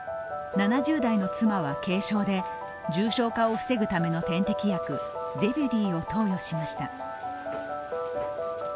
７０代の妻は軽症で、重症化を防ぐための点滴薬、ゼビュディを投与しました。